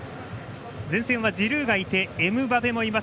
前線はジルーがいてエムバペもいます。